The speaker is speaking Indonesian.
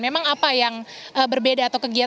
memang apa yang berbeda atau kegiatan